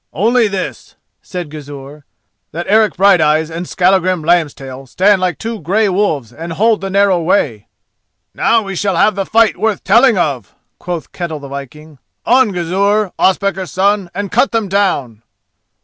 "Only this," said Gizur, "that Eric Brighteyes and Skallagrim Lambstail stand like two grey wolves and hold the narrow way." "Now we shall have fighting worth the telling of," quoth Ketel the viking. "On, Gizur, Ospakar's son, and cut them down!"